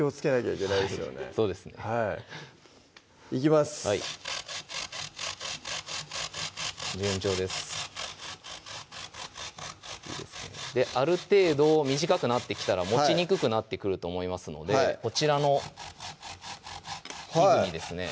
はい順調ですいいですねある程度短くなってきたら持ちにくくなってくると思いますのでこちらの器具にですね